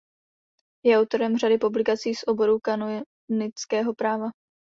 Je autorem řady publikací z oboru kanonického práva.